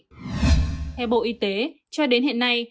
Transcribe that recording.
theo bộ y tế cho đến hiện nay